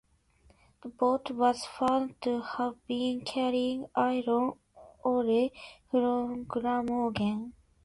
The boat was found to have been carrying iron ore from Glamorgan.